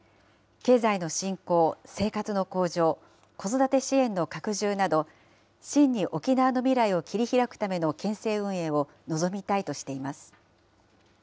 経済の振興、生活の向上、子育て支援の拡充など、真に沖縄の未来を切り開くための県政運営を望みたいとしています。